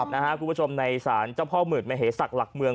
นะฮะคุณผู้ชมในสารเจ้าพ่อเมิดเมเฮสักลักเมือง